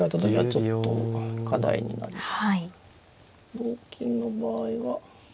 同金の場合は。